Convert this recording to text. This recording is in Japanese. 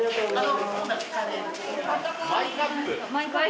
マイカップ？